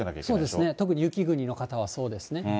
そうですね、特に雪国の方はそうですね。